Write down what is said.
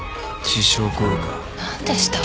自傷行為か。